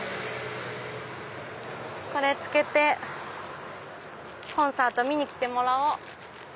これ着けてコンサート見に来てもらおう。